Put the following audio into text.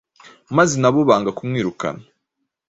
maze nabo banga kumwirukana